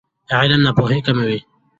علم ناپوهي کموي.